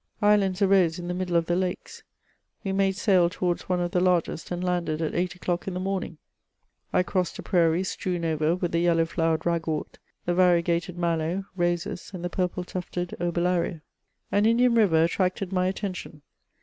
Islands arose in the middle of the lakes : we made sail towards one of the largest, and landed at eight o'clock in the morning. I crossed a prairie strewn over with the yellow flowered ragwort, the variegated mallow, roses, and the purple tufted obelaria. Aja Indian river attracted my attention.